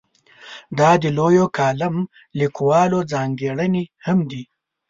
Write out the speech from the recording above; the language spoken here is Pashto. دا د لویو کالم لیکوالو ځانګړنې هم دي.